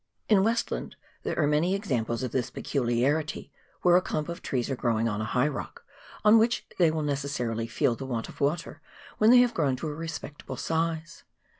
In Westland, there are many examples of this peculiarity, where a clump of trees are growing on a high rock, on which they will necessarily feel the want of water when they have grown to a respectable size.